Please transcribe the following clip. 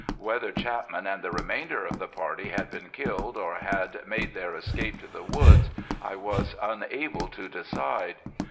Whether Chapman and the remainder of the party had been killed or had made their escape to the woods I was unable to decide.